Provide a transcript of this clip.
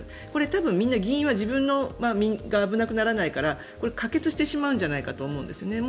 多分、議員は自分の身が危なくならないから可決してしまうんじゃないかと思うんですね。